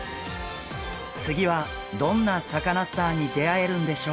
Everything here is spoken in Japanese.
次はどんなサカナスターに出会えるんでしょうか。